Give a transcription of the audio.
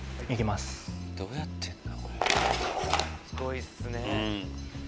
すごいっすね！